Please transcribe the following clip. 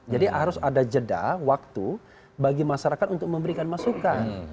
jadi harus ada jeda waktu bagi masyarakat untuk memberikan masukan